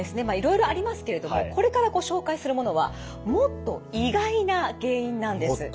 まあいろいろありますけれどもこれからご紹介するものはもっと意外な原因なんです。